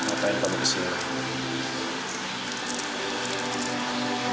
ngapain kamu disini